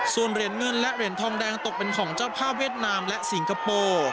ส่วนเหรียญเงินและเหรียญทองแดงตกเป็นของเจ้าภาพเวียดนามและสิงคโปร์